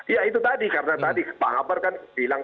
ya itu tadi karena tadi pak kabar kan bilang